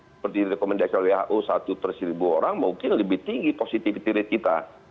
seperti rekomendasi who satu persi ribu orang mungkin lebih tinggi positif tipis kita